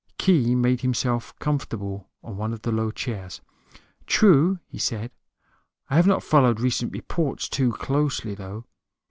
Khee made himself comfortable on one of the low chairs. "True," he said. "I have not followed recent reports too closely, though.